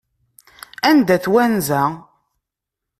Anda-t wanza?